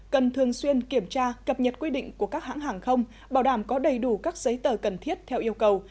cần thường xuyên kiểm tra cập nhật quy định của các hãng hàng không bảo đảm có đầy đủ các giấy tờ cần thiết theo yêu cầu